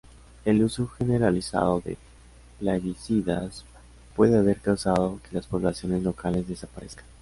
El uso generalizado de plaguicidas puede haber causado que las poblaciones locales desaparezcan.